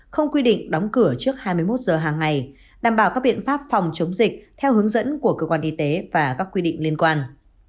không quy định đóng cửa trước hai mươi một giờ hàng ngày đảm bảo các biện pháp phòng chống dịch theo hướng dẫn của cơ quan y tế và các quy định liên quan